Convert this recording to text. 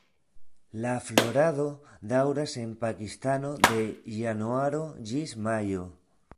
La florado daŭras en Pakistano de januaro ĝis majo.